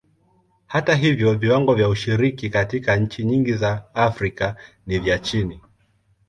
Hata hivyo, viwango vya ushiriki katika nchi nyingi za Afrika ni vya chini.